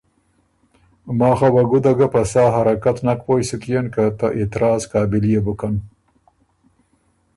ماخه وه ګُده ګۀ په سا حرکت نک پوی سُک يېن که ته اعتراض قابل يې بُکن۔